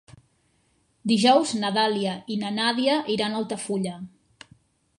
Dijous na Dàlia i na Nàdia iran a Altafulla.